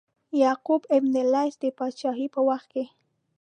یعقوب بن لیث د پاچهۍ په وخت کې.